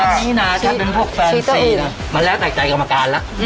อันนี้นะท่านเป็นพวกแฟนสีมันแล้วตั้งใจกรรมการล่ะอืม